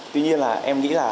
tuy nhiên là em nghĩ là